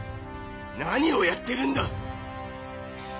何をやってるんだ！